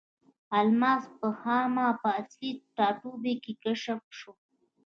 الماس په خاما په اصلي ټاټوبي کې کشف شو.